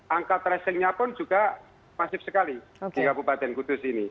angka tracingnya pun juga masif sekali di kabupaten kudus ini